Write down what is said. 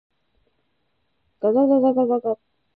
ががががががが。